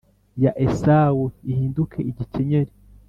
ya Esawu ihinduke igikenyeri